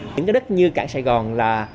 những cái đất như cảng sài gòn là